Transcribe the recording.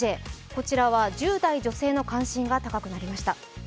こちらは１０代女性の関心が高くなりました。